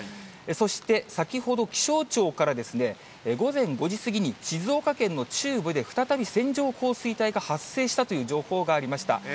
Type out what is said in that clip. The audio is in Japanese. そして、先ほど、気象庁から午前５時過ぎに静岡県の中部で再び線状降水帯が発生したという情報がありました。